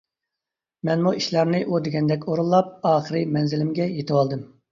مەنمۇ ئىشلارنى ئۇ دېگەندەك ئورۇنلاپ، ئاخىرى مەنزىلىمگە يېتىۋالدىم.